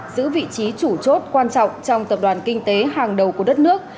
giữ vị trí chủ chốt quan trọng trong tập đoàn kinh tế hàng đầu của đất nước